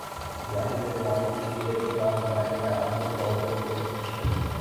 براہ مہربانی کچھ دیر انتظار فرمائیں یا اپنے براؤزر کو ریفریش کریں